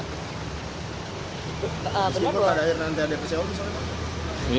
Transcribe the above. mungkin pada akhir nanti ada yang kecewa